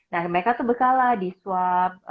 nah mereka tuh berkala di swab